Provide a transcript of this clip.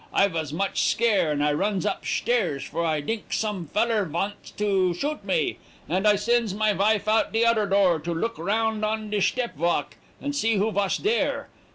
I vas much scare, and I runs up shtairs, for I dinks some feller vants to shoot me, and I sends my vife out de oder door to look round on de shtep walk, and see who vas dere.